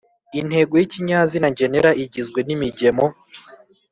intego y’ikinyazina ngenera igizwe nimigemo